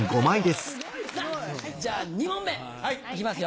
じゃ２問目行きますよ。